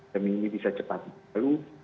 kami bisa cepat berjalan